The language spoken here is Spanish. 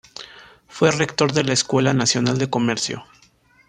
Fue rector de la escuela nacional de comercio.